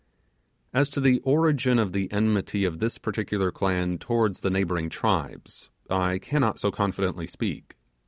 As to the origin of the enmity of this particular clan towards the neighbouring tribes, I cannot so confidently speak.